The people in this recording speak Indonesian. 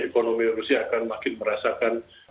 ekonomi rusia akan makin merasakan